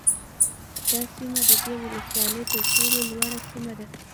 دا سیمه د دې ولسوالۍ ترټولو لوړه سیمه ده